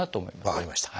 分かりました。